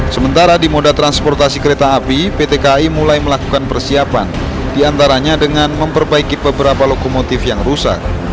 sementara di moda transportasi kereta api pt kai mulai melakukan persiapan diantaranya dengan memperbaiki beberapa lokomotif yang rusak